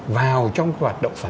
vào trong các doanh nghiệp việt nam